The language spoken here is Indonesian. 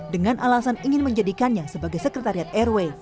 dengan alasan ingin menjadikannya sebagai sekretariat rw